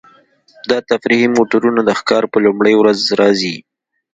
دا تفریحي موټرونه د ښکار په لومړۍ ورځ راځي